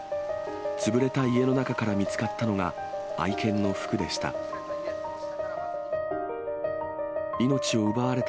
潰れた家の中から見つかったのが、愛犬の福でした。